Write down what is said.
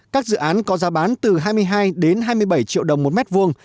các dự án có giá bán từ hai mươi hai đến hai mươi bảy triệu đồng một mét vuông